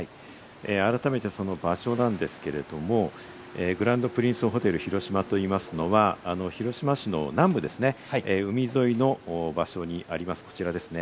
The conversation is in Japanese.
改めてその場所なんですけれども、グランドプリンスホテル広島といいますのは、広島市の南部ですね、海沿いの場所にあります、こちらですね。